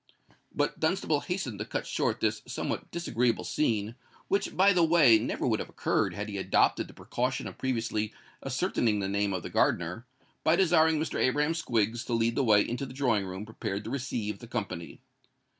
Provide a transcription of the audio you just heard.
But Dunstable hastened to cut short this somewhat disagreeable scene,—which, by the way, never would have occurred, had he adopted the precaution of previously ascertaining the name of the gardener,—by desiring Mr. Abraham Squiggs to lead the way into the drawing room prepared to receive the company.